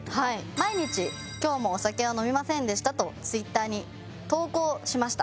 毎日「今日もお酒は飲みませんでした」とＴｗｉｔｔｅｒに投稿しました。